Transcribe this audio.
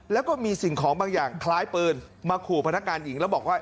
แล้วก็มีสิ่งของบางอย่างคล้ายปืนมาขู่พนักงานหญิงแล้วบอกว่า